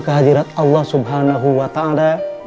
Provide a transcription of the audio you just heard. kehadirat allah subhanahu wa ta'ala